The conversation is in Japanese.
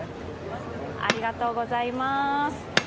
ありがとうございます。